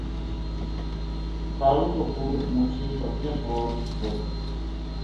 کالو کو پُوت منشی بکریاں کول سُتو تھو